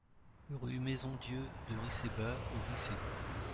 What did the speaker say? Rue Maison Dieu de Ricey Bas aux Riceys